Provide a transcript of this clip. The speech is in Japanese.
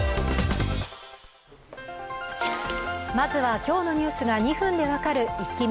まずは、今日のニュースが２分で分かるイッキ見。